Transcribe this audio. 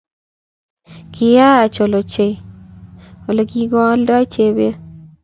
Kiyayaa achol ochei olegingololdoi Chebet